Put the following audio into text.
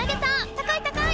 高い高い！